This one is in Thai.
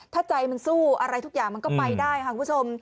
ถ้าใจมันสู้อะไรทุกอย่างมันก็ไปได้ค่ะคุณผู้ชม